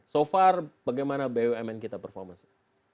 so far bagaimana bumn kita performance